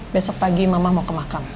besok pagi mama mau ke makam